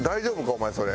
お前それ。